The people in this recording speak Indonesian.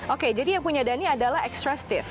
oke jadi yang punya dani adalah extra stiff